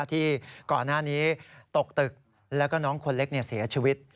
ที่ก่อนหน้านี้ตกตึกแล้วก็น้องคนเล็กเสียชีวิต